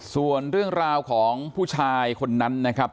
ส่วนเรื่องราวของผู้ชายคนนั้นนะครับ